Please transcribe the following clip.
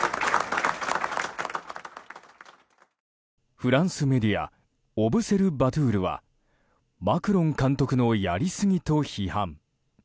フランスメディアオブセルバトゥールはマクロン監督のやりすぎと批判。